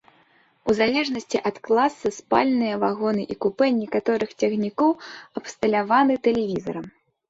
У залежнасці ад класа спальныя вагоны і купэ некаторых цягнікоў абсталяваны тэлевізарам.